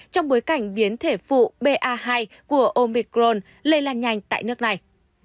trong bối cảnh biến thể phụ ba hai của omicron lây lan nhanh tại nước này